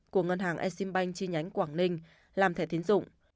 của ngân hàng e sim banh chi nhánh quảng ninh làm thẻ tiến dụng